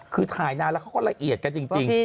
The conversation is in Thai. คือถ่ายนานแล้วเขาก็ละเอียดกันจริง